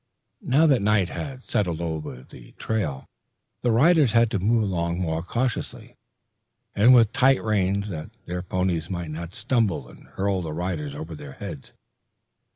Now that night had settled over the trail, the riders had to move along more cautiously, and with tight reins, that their ponies might not stumble and hurl the riders over their heads.